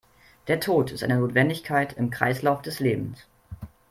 Der Tod ist eine Notwendigkeit im Kreislauf des Lebens.